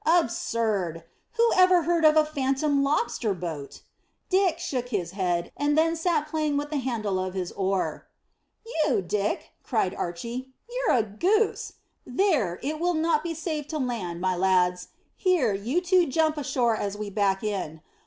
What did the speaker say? "Absurd! Who ever heard of a phantom lobster boat?" Dick shook his head, and then sat playing with the handle of his oar. "You Dick," cried Archy, "you're a goose! There, it will not be safe to land, my lads. Here, you two jump ashore as we back in.